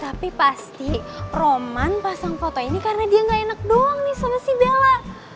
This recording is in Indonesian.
tapi pasti roman pasang foto ini karena dia gak enak doang nih sama si bella